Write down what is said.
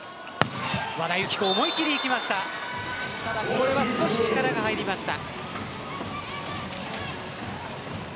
これは少し力が入りました。